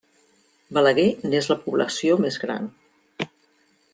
Balaguer n'és la població més gran.